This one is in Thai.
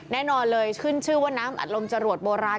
แน่นอนเลยขึ้นชื่อว่าน้ำอัดลมจรวดโบราณ